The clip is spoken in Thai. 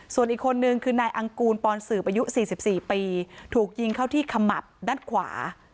ส่วนอีกคนนึงคือนายอังกูลปอนสืบอายุ๔๔ปีถูกยิงเข้าที่ขมับด้านขวา